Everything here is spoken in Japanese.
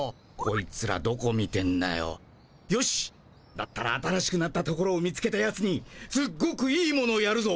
だったら新しくなったところを見つけたやつにすっごくいいものやるぞ。